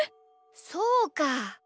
そうか。